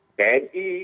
ori tidak boleh berpihak